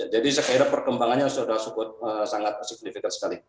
jadi sekiranya perkembangannya suhu sudah cukup sangat signifikan sekali